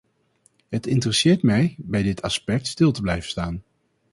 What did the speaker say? Het interesseert mij bij dit aspect stil te blijven staan.